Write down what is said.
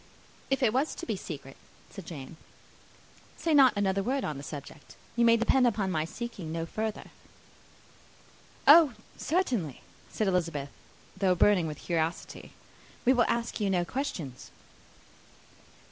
"If it was to be a secret," said Jane, "say not another word on the subject. You may depend upon my seeking no further." "Oh, certainly," said Elizabeth, though burning with curiosity; "we will ask you no questions."